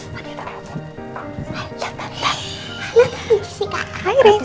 mas kartu lagi di sini